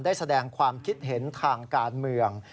ได้แสดงความคิดเห็นทางการเมือง